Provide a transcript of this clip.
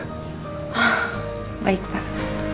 oh baik pak